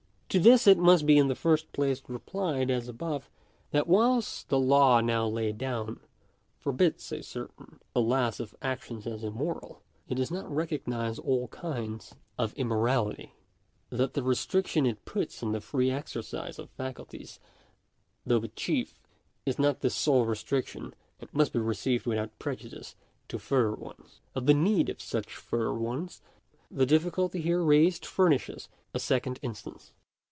To this it must be in the first place replied, as above, that whilst the law now laid down forbids a certain class of actions as immoral, it does not recognise all kinds of o Digitized by VjOOQIC 82 DERIVATION OF A FIRST PRINCIPLE. immorality — that the restriction it puts on the free exercise of faculties, though the chief, is not the sole restriction, and must he received without prejudice to farther ones. Of the need for such further ones, the difficulty here raised furnishes a second instance.